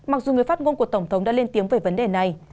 mặc dù người phát ngôn của tổng thống đã lên tiếng về vấn đề này